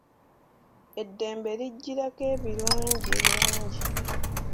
Eddembe lijjirako ebirungi bingi.